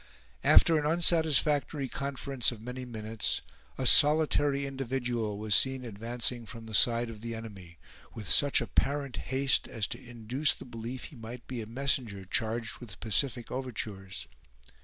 After an unsatisfactory conference of many minutes, a solitary individual was seen advancing from the side of the enemy, with such apparent haste, as to induce the belief he might be a messenger charged with pacific overtures.